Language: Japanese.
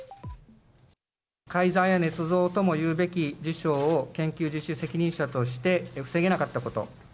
改ざんやねつ造ともいうべき事象を、研究実施責任者として、防げなかったこと。